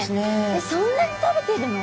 そんなに食べてるの？